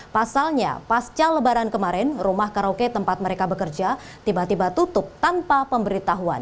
pasalnya pasca lebaran kemarin rumah karaoke tempat mereka bekerja tiba tiba tutup tanpa pemberitahuan